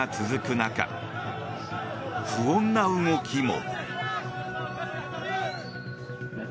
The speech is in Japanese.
中不穏な動きも。